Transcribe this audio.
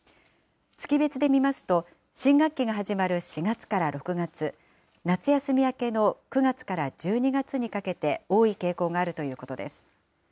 月別で見ますと、新学期が始まる４月から６月、夏休み明けの９月から１２月にかけて多い傾向があるということです。